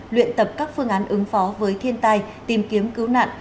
luyện tập các phương án ứng phó với thiên tai tìm kiếm cứu nạn